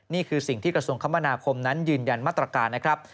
นี่คือสิ่งที่กระทรวงคมนาคมนั้นยืนยันมาตรการนะครับ